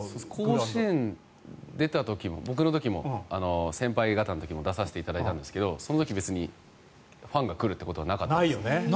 甲子園に出た時も僕の時も、先輩方の時も出させていただいたんですけどその時、別にファンが来ることはなかったです。